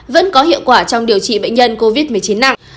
vẫn có hiệu quả trong điều trị bệnh nhân covid một mươi chín nặng